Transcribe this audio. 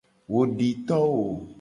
Wo di to wo.